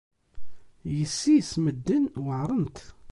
Yessi-s n medden weɛrent.